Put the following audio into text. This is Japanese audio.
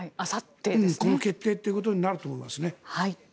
この決定ということになると思いますね。